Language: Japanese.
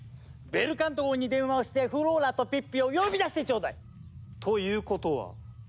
ベルカント号に電話をしてフローラとピッピを呼び出してちょうだい！ということは？